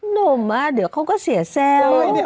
หนุ่มเดี๋ยวเขาก็เสียแซว